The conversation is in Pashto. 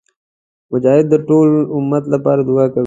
مجاهد د ټول امت لپاره دعا کوي.